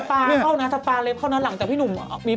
บันดำอย่างนี้